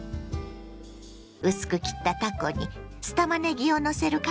薄く切ったたこに酢たまねぎをのせるカルパッチョ。